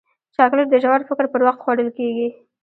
چاکلېټ د ژور فکر پر وخت خوړل کېږي.